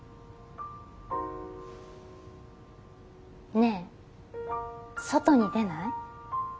ねえ外に出ない？